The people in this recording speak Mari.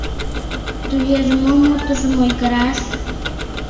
Тугеже мом утыжым ойгыраш?